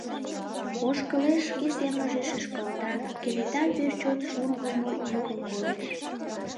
Ошкылеш, шке семынже шӱшкалта, кенета пеш чот шургымо йӱкым колеш.